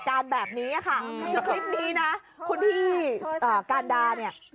คลิปนี้นะคุณพี่การดาร์เนี่ย